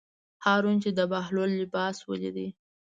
هارون چې د بهلول لباس ولید.